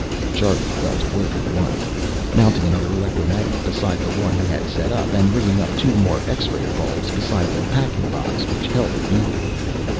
Charlie fell to work at once, mounting another electromagnet beside the one he had set up, and rigging up two more X ray bulbs beside the packing box which held the meteor.